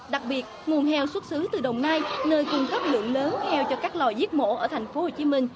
đặc biệt nguồn heo xuất xứ từ đồng nai nơi cung cấp lượng lớn heo cho các lò giết mổ ở tp hcm